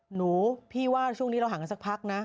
หนูพี่ว่าช่วงนี้เราห่างกันสักพักนะ